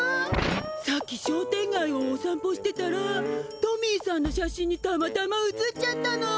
さっき商店がいをおさん歩してたらトミーさんの写真にたまたま写っちゃったの。